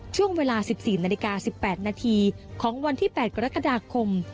ช่วงเวลา๑๔นาฬิกา๑๘นาทีของวันที่๘กรกฎาคม